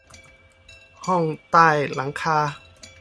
ห้องใต้หลังคา